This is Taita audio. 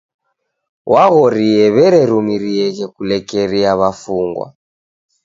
W'aghorie w'ererumirieghe kulekeria w'afungwa.